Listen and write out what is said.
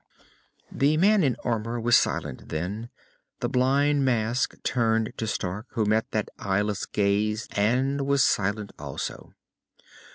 The man in armor was silent then, the blind mask turned to Stark, who met that eyeless gaze and was silent also.